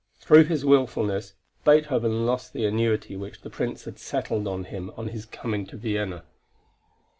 Through his wilfulness, Beethoven lost the annuity which the Prince had settled on him on his coming to Vienna.